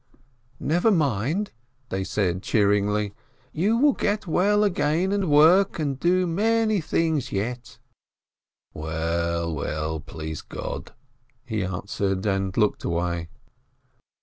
"Never mind," they said cheeringly, "you will get well again, and work, and do many things yet !" "Well, well, please God !" he answered, and looked away.